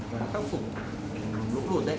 quá trình khắc phục lũ lụt đấy